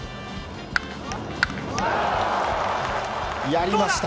やりました。